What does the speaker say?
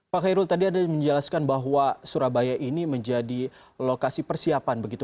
pak khairul tadi anda menjelaskan bahwa surabaya ini menjadi lokasi persiapan begitu